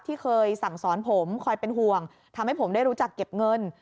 ที่เคยสั่งสอนผมคอยเป็นห่วงทำให้ผมได้รู้จักเก็บเงิน